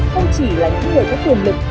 không chỉ là những người có quyền lực